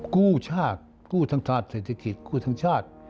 กู้ชาติกู้ทั้งชาติเศรษฐกิจกู้ทั้งชาติ